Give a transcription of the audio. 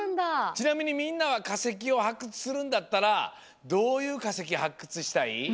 ちなみにみんなはかせきをはっくつするんだったらどういうかせきはっくつしたい？